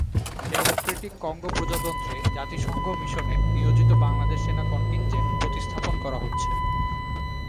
Democratic Congo প্রজাতন্ত্রে জাতিসংঘ মিশনে নিয়োজিত বাংলাদেশ সেনা কন্টিনজেন্ট প্রতিস্থাপন করা হচ্ছে।